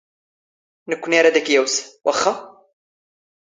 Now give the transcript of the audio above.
ⵏⴽⴽⵯⵏⵉ ⴰ ⵔⴰⴷ ⴰⴽ ⵢⴰⵡⵙ, ⵡⴰⵅⵅⴰ?